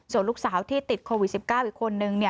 ส่วนลูกสาวที่ติดโควิด๑๙อีกคนนึง